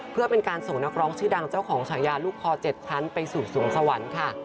เพื่อเป็นการส่งนักร้องชื่อดังเจ้าของฉายาลูกคอ๗ชั้นไปสู่สวงสวรรค์ค่ะ